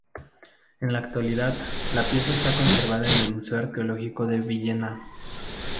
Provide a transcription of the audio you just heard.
En la actualidad la pieza está conservada en el Museo Arqueológico de Villena.